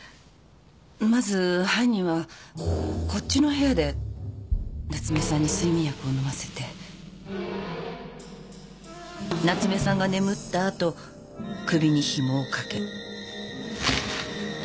まず犯人はこっちの部屋で夏目さんに睡眠薬を飲ませて夏目さんが眠った後首にひもを掛け。